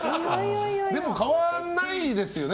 でも変わらないですよね